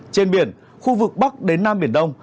trên biển khu vực bắc đến nam biển đông